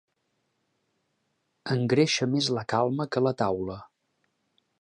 Engreixa més la calma que la taula.